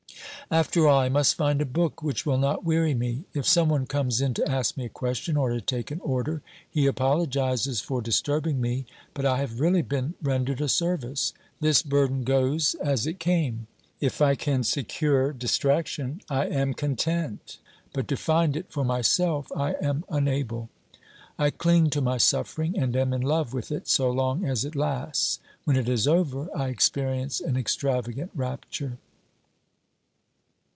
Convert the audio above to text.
After all, I must find a book which will not weary me. If some one comes in to ask me a question, or to take an order, he apologises for disturbing me, but I have really been rendered a service. This burden goes as it came. If I can secure distraction, I am content, but to find it for myself I am unable. I cling to my sufi'ering, and am in love with it so long as it lasts ; when it is over I experience an extravagant rapture.